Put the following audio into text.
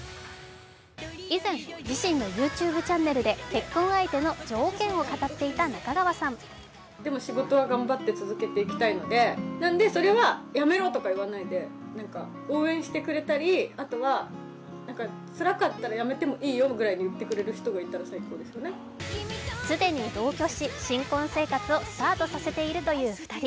以前、自身のＹｏｕＴｕｂｅチャンネルで結婚相手の条件を語っていた中川さん。既に同居し新婚生活をスタートさせているという２人。